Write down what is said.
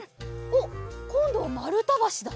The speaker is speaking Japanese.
おっこんどはまるたばしだ。